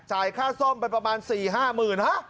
ค่าซ่อมไปประมาณ๔๕หมื่นฮะ